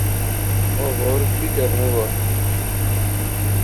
او ہور کہہ کرین وہا